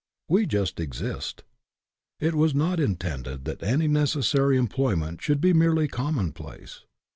We just exist. It was not intended that any necessary employment should be merely commonplace.